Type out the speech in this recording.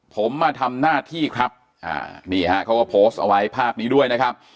ผมมาทำหน้าที่ครับอ่านี่ฮะเขาก็โพสต์เอาไว้ภาพนี้ด้วยนะครับ